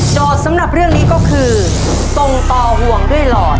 สำหรับเรื่องนี้ก็คือส่งต่อห่วงด้วยหลอด